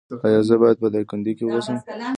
ایا زه باید په دایکندی کې اوسم؟